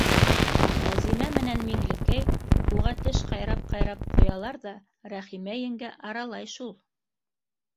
Ғәзимә менән Миңлекәй уға теш ҡайрап-ҡайрап ҡуялар ҙа, Рәхимә еңгә аралай шул.